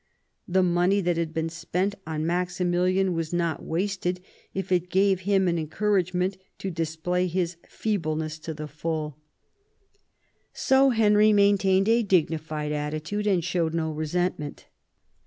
The money that had been spent on Maximilian was not wasted if it gave him an encouragement to display his feebleness to the full. 46 THOMAS WOLSEY chap. So Henry maintained a, dignified attitude, and showed no resentment.